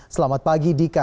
selamat pagi dika